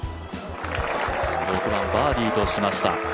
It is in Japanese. ６番バーディーとしました。